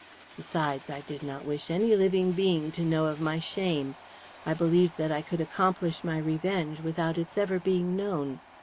Besides, I did not wish any living being to know of my shame. I believed that I could accomplish my revenge without its ever being known.